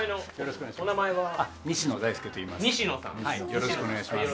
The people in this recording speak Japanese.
よろしくお願いします。